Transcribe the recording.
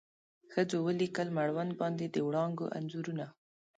ښځو ولیکل مړوند باندې د وړانګو انځورونه